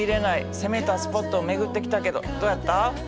攻めたスポットを巡ってきたけどどやった？